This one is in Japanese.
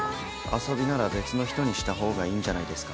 遊びなら別の人にした方がいいんじゃないですか。